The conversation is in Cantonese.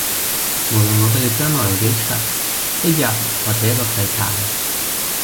無論我哋嘅將來有幾長，一日或者一個世界